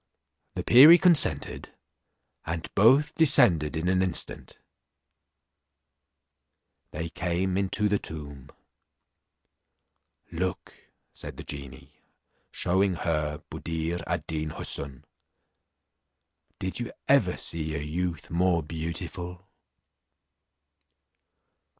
The perie consented, and both descended in an instant; they came into the tomb. "Look," said the genie, shewing her Buddir ad Deen Houssun, "did you ever see a youth more beautiful?"